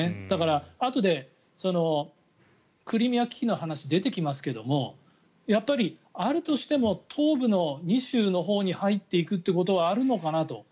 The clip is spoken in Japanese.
だから、あとでクリミア危機の話出てきますけどもあるとしても東部の２州のほうに入っていくということはあるのかなと。